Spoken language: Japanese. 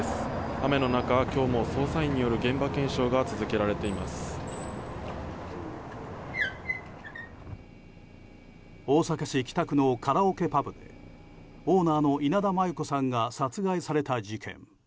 雨の中、今日も捜査員による大阪市北区のカラオケパブでオーナーの稲田真優子さんが殺害された事件。